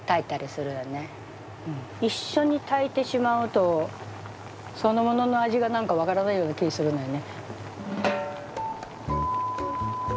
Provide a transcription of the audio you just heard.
一緒に炊いてしまうとそのものの味が何か分からないような気ぃするのよね。